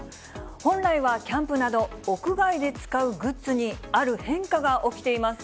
本来はキャンプなど、屋外で使うグッズに、ある変化が起きています。